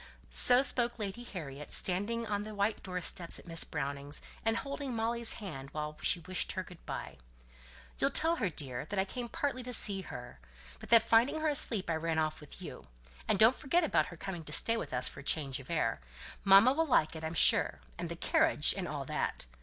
So spoke Lady Harriet, standing on the white door steps at Miss Brownings', and holding Molly's hand while she wished her good by. "You'll tell her, dear, that I came partly to see her but that finding her asleep, I ran off with you, and don't forget about her coming to stay with us for change of air mamma will like it, I'm sure and the carriage, and all that.